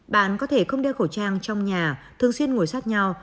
bạn có thể không đeo khẩu trang trong nhà thường xuyên ngồi sát nhau